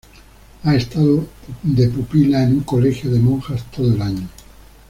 Ha estado pupila en un colegio de monjas todo el año.